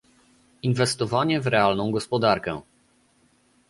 inwestowanie w realną gospodarkę